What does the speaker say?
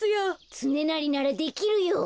つねなりならできるよ。